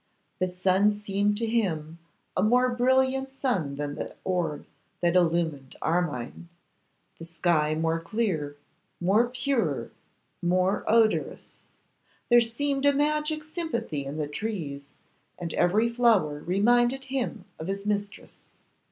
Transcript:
The sun seemed to him a more brilliant sun than the orb that illumined Armine; the sky more clear, more pure, more odorous. There seemed a magic sympathy in the trees, and every flower reminded him of his mistress.